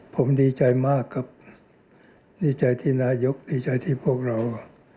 ผมดีใจมากครับดีใจที่นายกดีใจที่พวกเรา